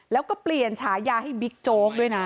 แล้วก็เปลี่ยนฉายาให้บิ๊กโจ๊กด้วยนะ